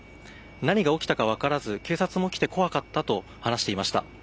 何が起きたか分からず警察も来て怖かったと話していました。